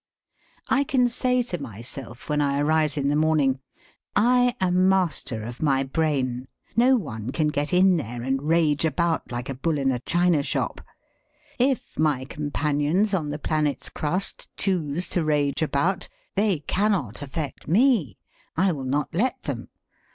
I can say to myself when I arise in the morning: 'I am master of my brain. No one can get in there and rage about like a bull in a china shop. If my companions on the planet's crust choose to rage about they cannot affect me! I will not let them.